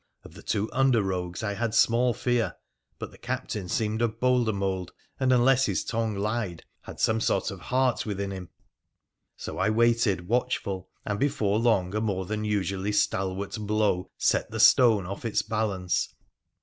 Of the two under rogues I had small fear, but the captain seemed of bolder mould, and, unless his tongue lied, had some sort of heart within him. So I waited watch ful, and before long a more than usually stalwart blow set the stone off its balance.